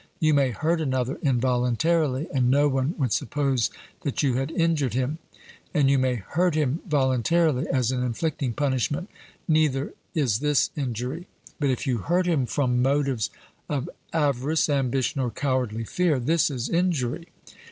You may hurt another involuntarily, and no one would suppose that you had injured him; and you may hurt him voluntarily, as in inflicting punishment neither is this injury; but if you hurt him from motives of avarice, ambition, or cowardly fear, this is injury.